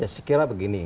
ya saya kira begini